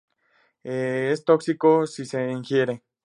Es tóxico si se ingiere.